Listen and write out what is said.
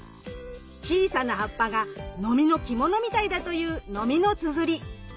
小さな葉っぱがノミの着物みたいだというノミノツヅリ。